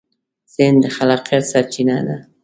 ذهن د خلاقیت سرچینه ده.